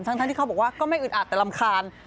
ทั้งที่เขาบอกว่าก็ไม่อึดอัดแต่รำคาญ